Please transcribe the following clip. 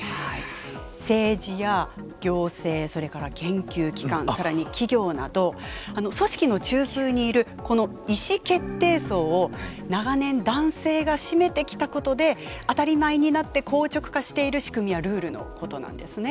政治や行政それから研究機関更に企業など組織の中枢にいるこの意思決定層を長年男性が占めてきたことで当たり前になって硬直化している仕組みやルールのことなんですね。